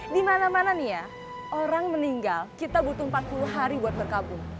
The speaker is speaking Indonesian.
di mana mana nih ya orang meninggal kita butuh empat puluh hari buat berkabung